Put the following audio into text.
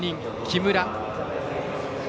木村。